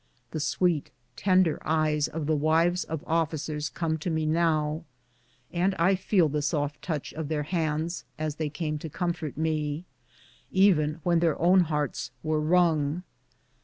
The Bweet, tender eyes of the wives of officers come to me now, and I feel the soft touch of their hands as they came to comfort me, even when their own hearts were wrung.